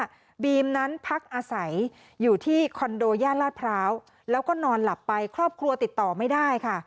บีมนั้นพักอาศัยอยู่ที่คอนโดย่านลาดพร้าวแล้วก็นอนหลับไปครอบครัวติดต่อไม่ได้ค่ะ